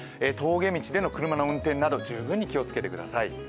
峠道での車の運転など十分に気をつけてください。